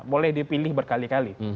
boleh dipilih berkali kali